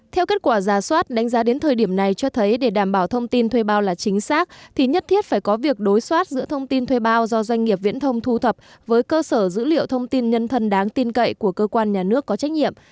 theo kết quả giả soát đánh giá đến thời điểm này cho thấy để đảm bảo thông tin thuê bao là chính xác thì nhất thiết phải có việc đối soát giữa thông tin thuê bao do doanh nghiệp viễn thông thu thập với cơ sở dữ liệu thông tin nhân thân đáng tin cậy của cơ quan nhà nước có trách nhiệm